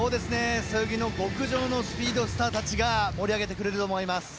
背泳ぎの極上のスピードスターたちが盛り上げてくれると思います。